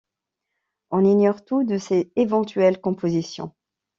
On ignore tout de ses éventuelles compositions.